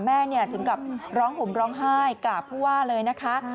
ถึงกับร้องห่มร้องไห้กราบผู้ว่าเลยนะคะ